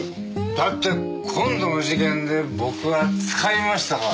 だって今度の事件で僕はつかみましたから。